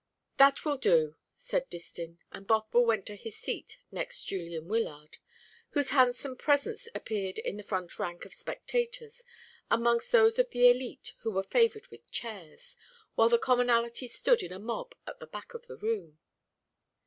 "That will do," said Distin; and Bothwell went to his seat next Julian Wyllard, whose handsome presence appeared in the front rank of spectators, amongst those of the élite who were favoured with chairs, while the commonalty stood in a mob at the back of the room.